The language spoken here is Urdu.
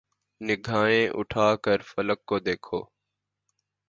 نگاھیں اٹھا کر فلک کو تو دیکھو